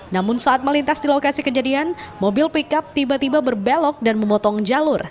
namun saat melintas di lokasi kejadian mobil pickup tiba tiba berbelok dan memotong jalur